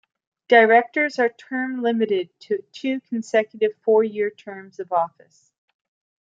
Directors are term-limited to two consecutive four-year terms of office.